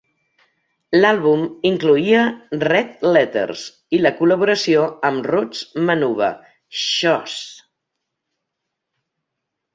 L'àlbum incloïa "Red Letters" i la col·laboració amb Roots Manuva, "Shhhoosh".